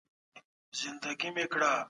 څوک غواړي نړیواله مرسته په بشپړ ډول کنټرول کړي؟